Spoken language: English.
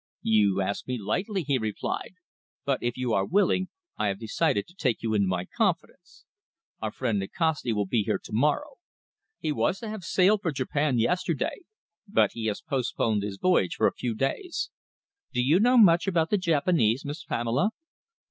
"You ask me lightly," he replied, "but, if you are willing, I have decided to take you into my confidence. Our friend Nikasti will be here to morrow. He was to have sailed for Japan yesterday, but he has postponed his voyage for a few days. Do you know much about the Japanese, Miss Pamela?"